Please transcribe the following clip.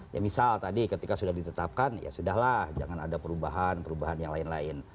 ya misal tadi ketika sudah ditetapkan ya sudah lah jangan ada perubahan perubahan yang lain lain